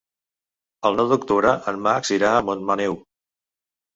El nou d'octubre en Max irà a Montmaneu.